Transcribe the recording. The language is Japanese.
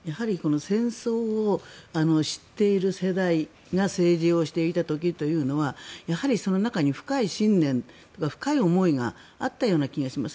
戦争を知っている世代が政治をしていた時というのはやはりその中に深い信念深い思いがあった気がします。